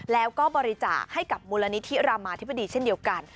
แล้วก็บริจาคให้กับมูลนิธิรามาธิบดีเช่นเดียวกัน